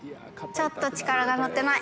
ちょっと力が乗ってない。